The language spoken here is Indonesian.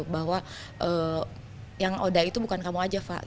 bahwa yang odha itu bukan kamu saja